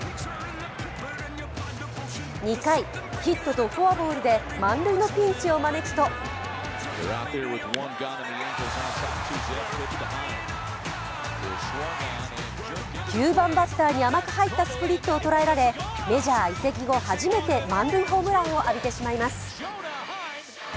２回、ヒットとフォアボールで満塁のピンチを招くと９番バッターに甘く入ったスプリットを捉えられメジャー移籍後初めて満塁ホームランを浴びてしまいます。